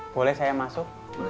boleh saya masuk